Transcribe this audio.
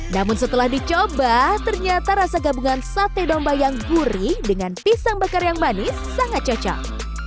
namun setelah dicoba ternyata rasa gabungan sate domba yang gurih dengan pisang bakar yang manis sangat cocok